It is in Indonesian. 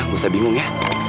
gak usah bingung ya